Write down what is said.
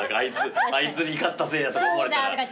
あいつに買ったせいやとか思われたら。